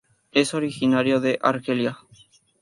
Es originario de Argelia.